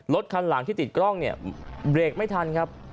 รถคันหลังที่ติดกล้องเนี่ยเบรกไม่ทันครับ